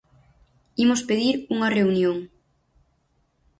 Imos pedir unha reunión.